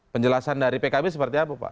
penjelasan dari pkb seperti apa pak